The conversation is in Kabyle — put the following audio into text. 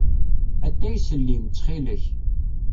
Atay s llim, ttxil-k.